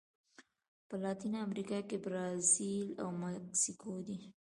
په لاتینه امریکا کې برازیل او مکسیکو دي.